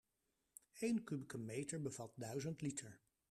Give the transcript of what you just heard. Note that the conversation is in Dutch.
Één kubieke meter bevat duizend liter.